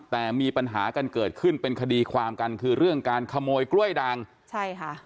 แต่มีปัญหากันเกิดขึ้นเป็นคดีความกันคือเรื่องการขโมยกล้วยดังใช่ค่ะ